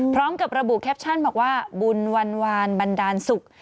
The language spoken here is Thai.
พร้อมกับระบุแคปชั่นบอกว่าบุญวันวานบันดาลศุกร์